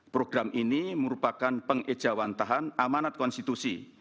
program ini merupakan pengejawan tahan amanat konstitusi